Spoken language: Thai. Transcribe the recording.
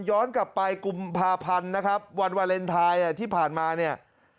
ย้อนกลับไปกุมภาพันธ์นะครับวันวาเลนไทยที่ผ่านมาเนี่ย